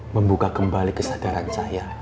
membuka kembali kesadaran saya